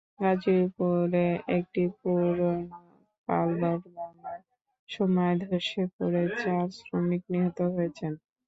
গাজীপুরে একটি পুরোনো কালভার্ট ভাঙার সময় ধসে পড়ে চার শ্রমিক নিহত হয়েছেন।